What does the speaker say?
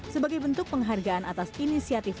sebagai bentuk penghargaan atas inisiatif